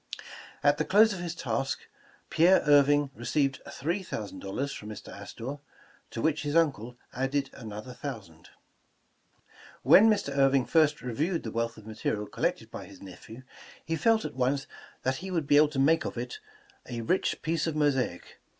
At the close of his task, Pierre Irving received three thousand dollars from Mr. Astor, to which his uncle added another thousand. When Mr. Irving first reviewed the wealth of material collected by his nephew, he felt at once that he would be able to make of it ''a rich piece of mosaic."